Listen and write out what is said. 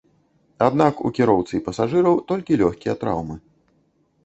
Аднак у кіроўцы і пасажыраў толькі лёгкія траўмы.